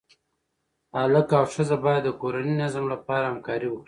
هلک او ښځه باید د کورني نظم لپاره همکاري وکړي.